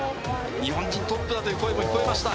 日本人トップだという声も聞こえました。